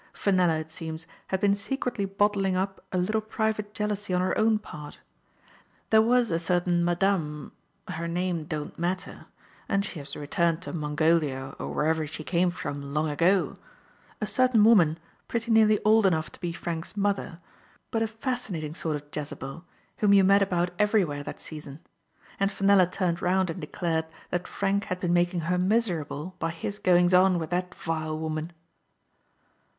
Fenella, it seems, had been secretly bottling up a little private jealousy on her own part. There was a certain Madame — her name don't matter ; and she has returned to Mon golia or wherever she came from long ago — a cer tain woman, pretty nearly old enough to be Frank's mother, but a fascinating sort of Jezebel, whom you met about everywhere that season. And Fenella turned round and declared that Frank had been making her miserable by his goings on with that vile woman